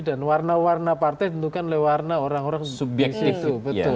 dan warna warna partai tentukan lewarna orang orang subjek itu